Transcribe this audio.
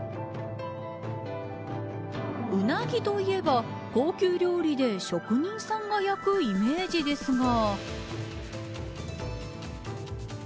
ウナギといえば高級料理で職人さんが焼くイメージですが。